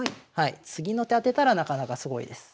次の手当てたらなかなかすごいです。